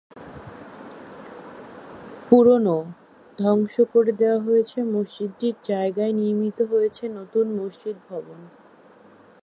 পুরোনো, ধ্বংস করে দেয়া মসজিদটির জায়গায় নির্মিত হয়েছে নতুন মসজিদ ভবন।